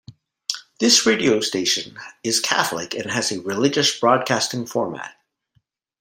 This radio station is Catholic and has a religious broadcasting format.